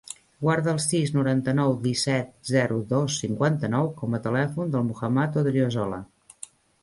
Guarda el sis, noranta-nou, disset, zero, dos, cinquanta-nou com a telèfon del Muhammad Odriozola.